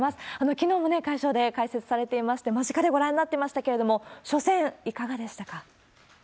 きのうも会場で解説されていまして、間近でご覧になってましたけれども、初戦いかがでしたか？